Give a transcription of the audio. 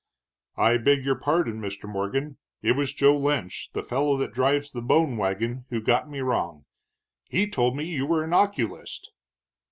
"I beg your pardon, Mr. Morgan. It was Joe Lynch, the fellow that drives the bone wagon, who got me wrong. He told me you were an oculist."